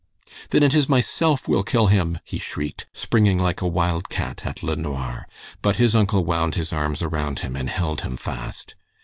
"Then it is myself will kill him," he shrieked, springing like a wildcat at LeNoir. But his uncle wound his arms around him and held him fast.